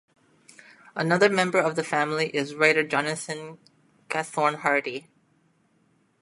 Another member of the family is the writer Jonathan Gathorne-Hardy.